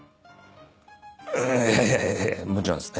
ええもちろんです。